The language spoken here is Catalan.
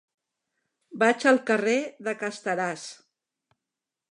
Vaig al carrer de Casteràs.